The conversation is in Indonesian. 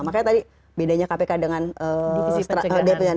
makanya tadi bedanya kpk dengan divisi